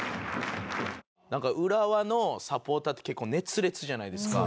なんか浦和のサポーターって結構熱烈じゃないですか。